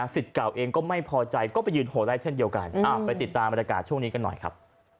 เก่าเองก็ไม่พอใจก็ไปยืนโหไล่เช่นเดียวกันไปติดตามบรรยากาศช่วงนี้กันหน่อยครับ